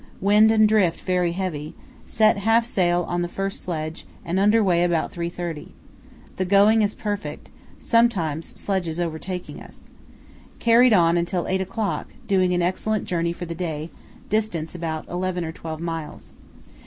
Wind and drift very heavy; set half sail on the first sledge and under way about 3.30. The going is perfect; sometimes sledges overtaking us. Carried on until 8 o'clock, doing an excellent journey for the day; distance about eleven or twelve miles.